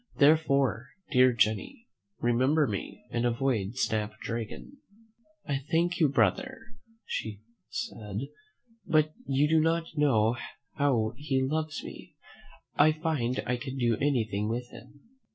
Therefore, dear Jenny, remember me, and avoid Snap Dragon." "I thank you, brother," said she, "but you do not know how he loves me; I find I can do anything with him."